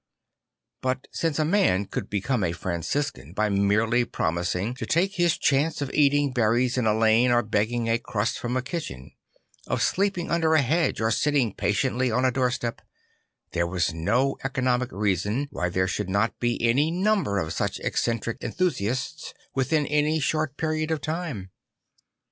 But since a man could become a Franciscan by merely promising to take his chance of eating berries in a lane or begging a crust from a kitchen, of sleeping under a hedge or sitting patiently on a doorstep, there was no econollÚc reason why there should not be any number of such eccentric enthusiasts within any short period of time.